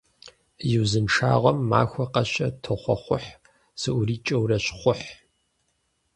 И узыншагъэм махуэ къэскӀэ тохъуэхъухь, зыӀурикӀэурэ щхъухь.